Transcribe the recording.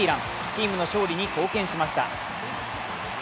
チームの勝利に貢献しました。